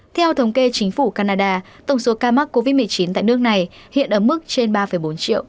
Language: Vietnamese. theo thống kê chính phủ canada tổng số ca mắc covid một mươi chín tại nước này hiện ở mức trên ba bốn triệu